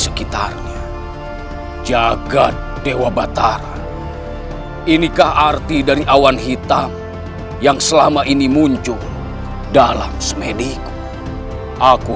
sekitarnya jaga dewa batara inikah arti dari awan hitam yang selama ini muncul dalam smediku aku